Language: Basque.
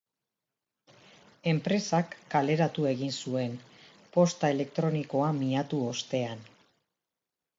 Enpresak kaleratu egin zuen, posta elektronikoa miatu ostean.